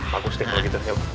bagus deh kalau begitu